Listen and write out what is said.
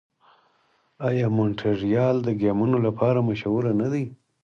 آیا مونټریال د ګیمونو لپاره مشهور نه دی؟